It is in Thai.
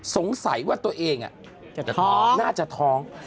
สงสัยว่าตัวเองน่าจะท้อง